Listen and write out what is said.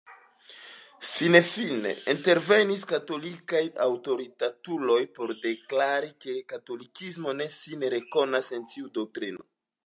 Finfine intervenis katolikaj aŭtoritatuloj por deklari ke katolikismo ne sin rekonas en tiu doktrino.